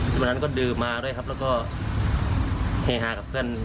วันนั้นก็ดื่มมาด้วยครับแล้วก็เฮฮากับเพื่อน